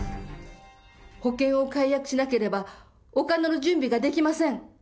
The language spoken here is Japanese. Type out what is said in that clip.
保険を解約しなければ、お金の準備ができません。